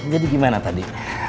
jadi gimana tadi